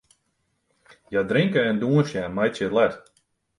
Hja drinke en dûnsje en meitsje it let.